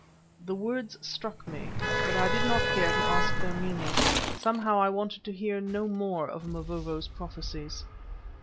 The words struck me, but I did not care to ask their meaning. Somehow I wanted to hear no more of Mavovo's prophecies.